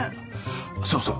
そうそう。